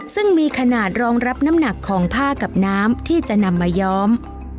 ซึ่งมีขนาดรองรับน้ำหนักของผ้ากับน้ำที่จะนำมาย้อม